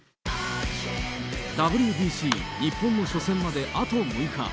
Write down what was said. ＷＢＣ日本の初戦まであと６日。